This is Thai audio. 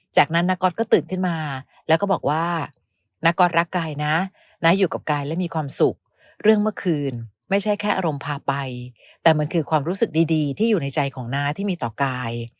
จากนั้นนาก๊อตก็ตื่นขึ้นมาแล้วก็บอกว่านาก๊อตรักกายนะน้าอยู่กับกายและมีความสุขเรื่องเมื่อคืนไม่ใช่แค่อารมณ์พาไปแต่มันคือความรู้สึกดีที่อยู่ในใจของน้าที่มีต่อกาย